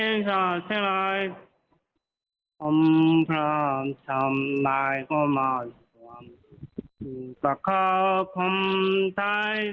มาลองเพลงชาติไทยให้ฟังหน่อย